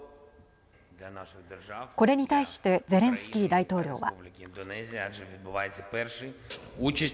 これに対してゼレンスキー大統領は。